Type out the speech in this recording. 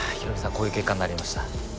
こういう結果になりました。